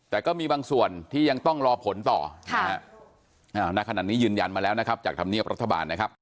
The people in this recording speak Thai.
แต่ก็มีบางส่วนที่ยังต้องรอผลต่อนะฮะณขณะนี้ยืนยันมาแล้วนะครับจากธรรมเนียบรัฐบาลนะครับ